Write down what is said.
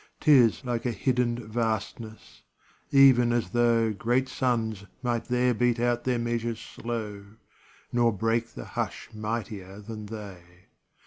'Tis like a hidden vastness, even as though Great suns might there beat out their measures slow Nor break the hush mightier than they.